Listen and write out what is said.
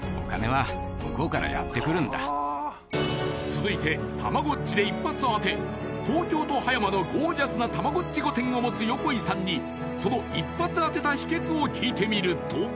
［続いてたまごっちで一発当て東京と葉山のゴージャスなたまごっち御殿を持つ横井さんにその一発当てた秘訣を聞いてみると］